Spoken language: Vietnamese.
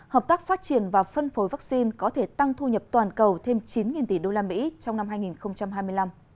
hợp tác phát triển và phân phối vaccine có thể tăng thu nhập toàn cầu thêm chín tỷ usd trong năm hai nghìn hai mươi năm